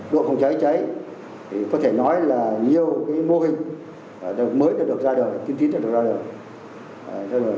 độ phòng cháy cháy có thể nói là nhiều mô hình mới đã được ra đời kinh tín đã được ra đời